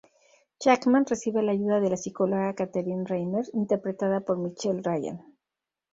Jackman recibe la ayuda de la psicóloga Katherine Reimer, interpretada por Michelle Ryan.